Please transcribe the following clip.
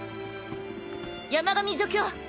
山上助教。